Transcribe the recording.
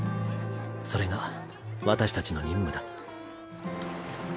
それが私たちの任務だ。